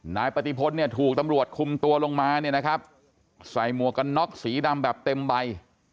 นายปฏิพลเนี่ยถูกตำรวจคุมตัวลงมาเนี่ยนะครับใส่หมวกกันน็อกสีดำแบบเต็มใบ